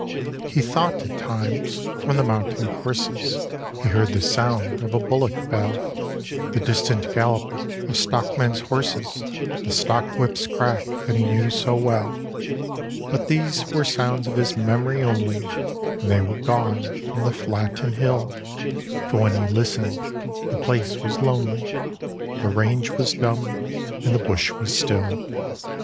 He thought at times from the mountain courses He heard the sound of a bullock bell, The distant gallop of stockmen's horses, The stockwhip's crack that he knew so well: But these were sounds of his memory only, And they were gone from the flat and hill, For when he listened the place was lonely, The range was dumb and the bush was still.